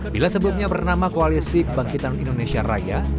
bila sebelumnya bernama koalisi kebangkitan indonesia raya